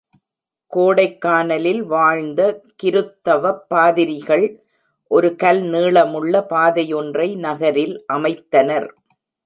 கோடைக் கானலில் வாழ்ந்த கிருத்தவப் பாதிரிகள் ஒரு கல் நீளமுள்ள பாதையொன்றை நகரில் அமைத்தனர்.